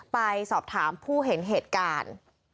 ไปสอบถามผู้เห็นเหตุการณ์